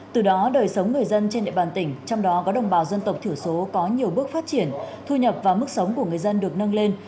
từ đó đời sống người dân trên địa bàn tỉnh trong đó có đồng bào dân tộc thiểu số có nhiều bước phát triển thu nhập và mức sống của người dân được nâng lên